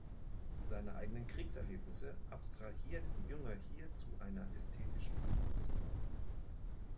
Seine eigenen Kriegserlebnisse abstrahiert Jünger hier zu einer ästhetischen Kunstform.